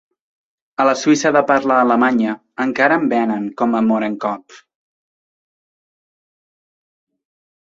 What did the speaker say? A la Suïssa de parla alemanya encara en venen com a "Mohrenkopf".